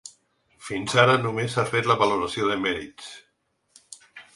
Fins ara només s’ha fet la valoració de mèrits.